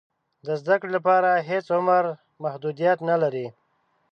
د زده کړې لپاره هېڅ عمر محدودیت نه لري.